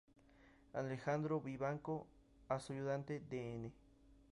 Alejandro Vivanco, a su ayudante, Dn.